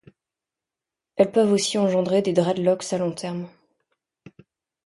Elles peuvent aussi engendrer des dreadlocks à long terme.